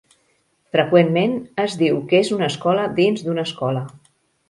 Freqüentment es diu que és una escola dins d'una escola.